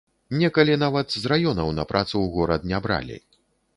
Некалі нават з раёнаў на працу ў горад не бралі.